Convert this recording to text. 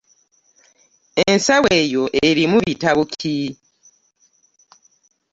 Ensawo eyo erimu bitabo ki?